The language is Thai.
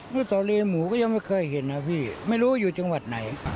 ต่อเรียนหมูก็ยังไม่เคยเห็นนะพี่ไม่รู้อยู่จังหวัดไหน